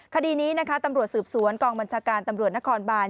คดีนี้นะคะตำรวจสืบสวนกองบัญชาการตำรวจนครบาน